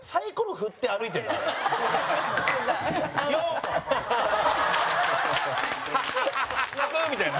「６」！みたいな。